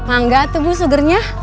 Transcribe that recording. ah gak tuh bu sugarnya